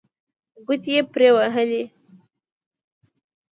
ګوتې یې پرې ووهلې.